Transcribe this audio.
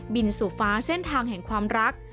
สู่ฟ้าเส้นทางแห่งความรัก